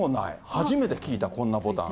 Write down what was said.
初めて聞いた、こんなボタン。